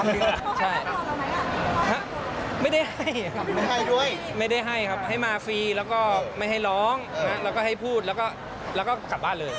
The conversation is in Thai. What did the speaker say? เขาให้มาร้องแล้วไหมล่ะไม่ได้ให้ไม่ได้ให้ครับให้มาฟรีแล้วก็ไม่ให้ร้องแล้วก็ให้พูดแล้วก็กลับบ้านเลย